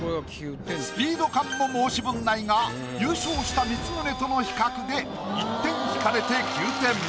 スピード感も申し分ないが優勝した光宗との比較で１点引かれて９点。